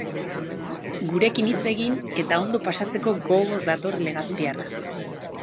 Gurekin hitz egin eta ondo pasatzeko gogoz dator legazpiarra.